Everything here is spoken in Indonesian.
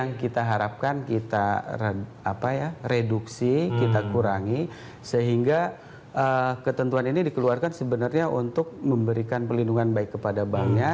jadi kita harapkan kita reduksi kita kurangi sehingga ketentuan ini dikeluarkan sebenarnya untuk memberikan pelindungan baik kepada banknya